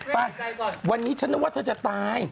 ไปวันนี้ฉันน่าก็จะตาย